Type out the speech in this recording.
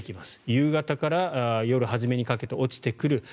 夕方から夜初めにかけて落ちてくる。